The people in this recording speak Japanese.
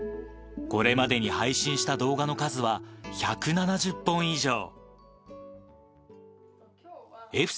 これまでに配信した動画の数は、１７０本以上。笑